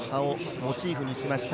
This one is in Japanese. モチーフにしました